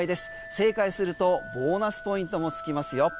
正解するとボーナスポイントもつきますよ。